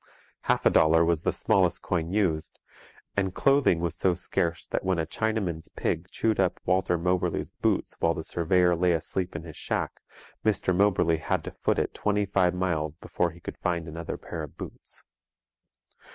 Half a dollar was the smallest coin used, and clothing was so scarce that when a Chinaman's pig chewed up Walter Moberly's boots while the surveyor lay asleep in his shack, Mr Moberly had to foot it twenty five miles before he could find another pair of boots.